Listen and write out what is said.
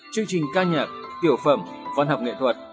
chương trình ca nhạc tiểu phẩm văn học nghệ thuật